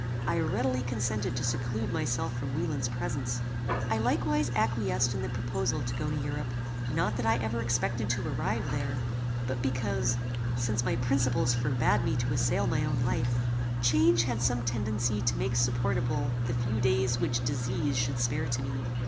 I readily consented to seclude myself from Wieland's presence. I likewise acquiesced in the proposal to go to Europe; not that I ever expected to arrive there, but because, since my principles forbad me to assail my own life, change had some tendency to make supportable the few days which disease should spare to me.